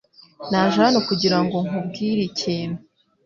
Naje hano kugira ngo nkubwire ikintu .